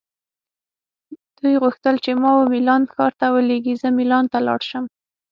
دوی غوښتل چې ما وه میلان ښار ته ولیږي، زه مېلان ته لاړ شم.